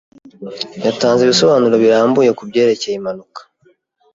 Yatanze ibisobanuro birambuye kubyerekeye impanuka.